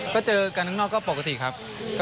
ก็เจอกันข้างนอกก็ปกติครับ